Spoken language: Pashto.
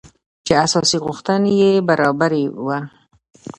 چې اساسي غوښتنې يې برابري وه .